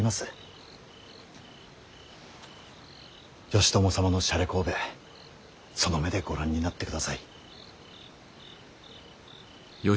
義朝様のしゃれこうべその目でご覧になってください。